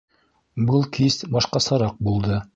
Был кис башҡасараҡ булды.